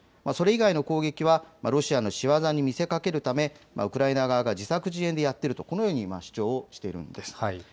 それ以外の攻撃はロシアの仕業に見せかけるためウクライナ側が自作自演でやっているとこのように主張しているんです。